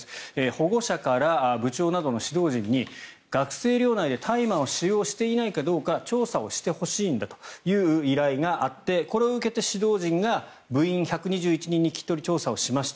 保護者から部長などの指導陣に学生寮内で大麻を使用していないかどうか調査をしてほしいんだという依頼があってこれを受けて指導陣が部員１２１人に聞き取り調査をしました。